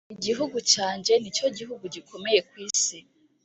igihugu cyanjye nicyo gihugu gikomeye ku isi.